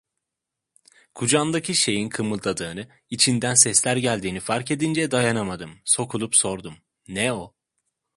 Kucağındaki şeyin kımıldadığını, içinden sesler geldiğini fark edince dayanamadım, sokulup sordum: "Ne o?"